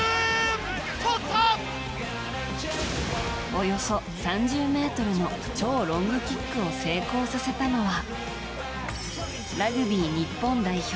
およそ３０ｍの超ロングキックを成功させたのはラグビー日本代表